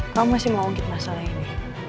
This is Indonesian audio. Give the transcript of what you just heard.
kamu masih mau untuk masalah ini